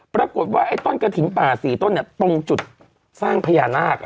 ปรากฏว่าไอ้ต้นกระถิงป่า๔ต้นตรงจุดสร้างพญานาค